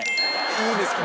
いいですか？